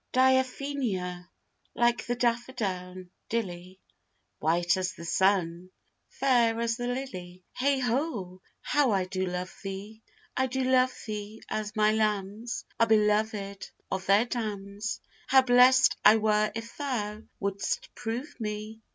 Diaphenia, like the daffa down dilly, White as the sun, fair as the lily, Heigh ho, how I do love thee! I do love thee as my lambs Are belovèd of their dams: How blest I were if thou would'st prove me!